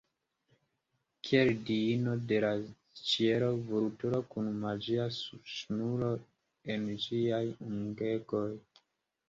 Kiel diino de la ĉielo, vulturo kun magia ŝnuro en ĝiaj ungegoj.